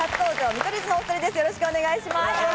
見取り図のお２人です。